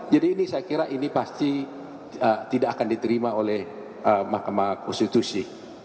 jadi ini saya kira ini pasti tidak akan diterima oleh mahkamah konstitusi